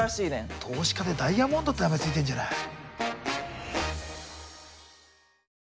投資家でダイヤモンドって名前付いてんじゃない。